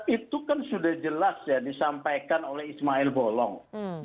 itu kan sudah jelas ya disampaikan oleh ismail bolong